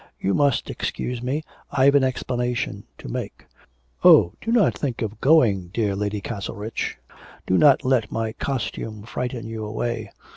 You must excuse me, I've an explanation to make. Oh, do not think of going, dear Lady Castlerich, do not let my costume frighten you away.